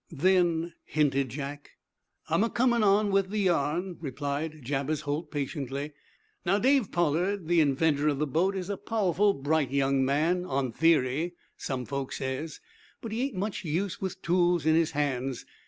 "Then " hinted Jack. "I'm a comin' on with the yarn," replied Jabez Kolt, patiently. "Now, Dave Pollard, the inventor of the boat, is a powerful bright young man, on theory, some folks says, but he ain't much use with tools in his hands.